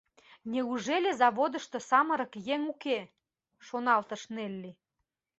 «Неужели заводышто самырык еҥ уке? — шоналтыш Нелли.